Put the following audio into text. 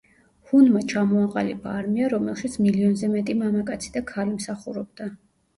ჰუნმა ჩამოაყალიბა არმია, რომელშიც მილიონზე მეტი მამაკაცი და ქალი მსახურობდა.